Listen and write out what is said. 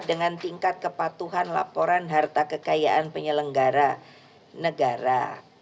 dengan tingkat kepatuhan laporan harta kekayaan penyelenggara negara